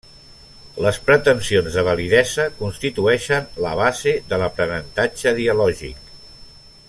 Les pretensions de validesa constitueixen la base de l'aprenentatge dialògic.